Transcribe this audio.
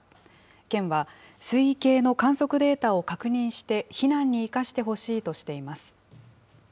県は、水位計の観測データを確認して、避難に生かしてほしいとしています。